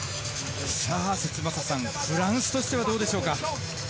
節政さん、フランスとしてはどうでしょうか？